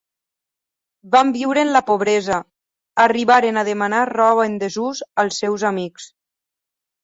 Van viure en la pobresa: arribaren a demanar roba en desús als seus amics.